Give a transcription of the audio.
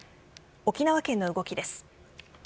沖縄県の動きです。